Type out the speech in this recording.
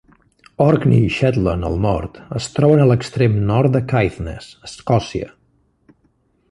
Orkney i Shetland, al nord, es troben a l'extrem nord de Caithness, Escòcia.